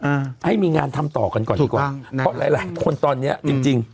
อ่าให้มีงานทำต่อกันก่อนดีกว่าเพราะหลายหลายคนตอนเนี้ยจริงจริง